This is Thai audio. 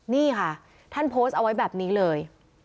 นี่ค่ะท่านโพสต์เอาไว้แบบนี้เลย